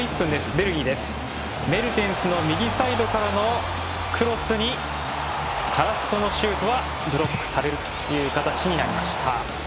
メルテンスも右サイドからのクロスにカラスコのシュートはブロックされる形になりました。